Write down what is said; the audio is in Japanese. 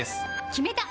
決めた！